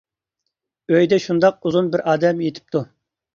ئۆيدە شۇنداق ئۇزۇن بىر ئادەم يېتىپتۇ.